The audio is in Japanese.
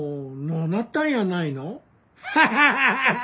ハハハハ！